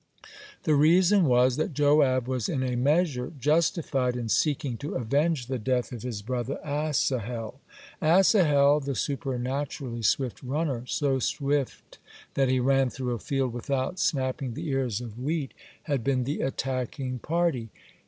(86) The reason was that Joab was in a measure justified in seeking to avenge the death of his brother Asahel. Asahel, the supernaturally swift runner, (87) so swift that he ran through a field without snapping the ears of wheat (88) had been the attacking party.